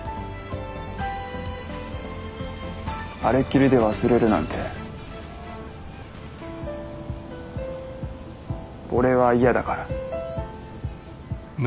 あれっきりで忘れるなんて俺は嫌だから。